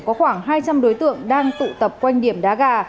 có khoảng hai trăm linh đối tượng đang tụ tập quanh điểm đá gà